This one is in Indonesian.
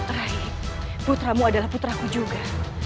terakhir putramu adalah putraku juga